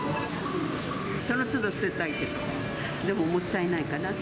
そのつど捨てたいけど、でももったいないかな。